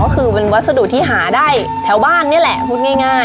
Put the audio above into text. ก็คือเป็นวัสดุที่หาได้แถวบ้านนี่แหละพูดง่าย